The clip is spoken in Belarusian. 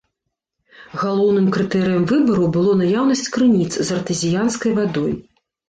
Галоўным крытэрыем выбару было наяўнасць крыніц з артэзіянскай вадой.